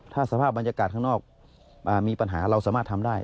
ถ้าสภาพบรรยากาศข้างนอกมีปัญหาเราสามารถทำได้